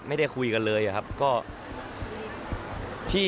ไม่ได้คุยกันเลยอะครับก็